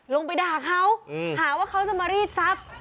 ไปด่าเขาหาว่าเขาจะมารีดทรัพย์